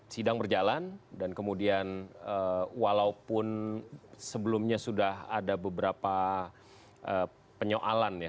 sidang berjalan dan kemudian walaupun sebelumnya sudah ada beberapa penyoalan ya